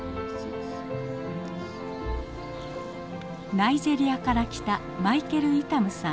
ナイジェリアから来たマイケルイタムさん。